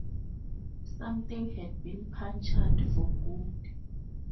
Something had been punctured for good.